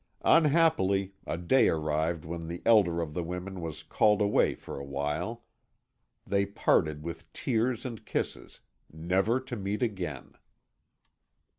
Unhappily a day arrived when the elder of the women was called away for a while. They parted with tears and kisses, never to meet again!